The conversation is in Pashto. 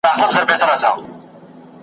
ځئ چي ځو او روانیږو لار اوږده د سفرونو .